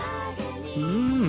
うん。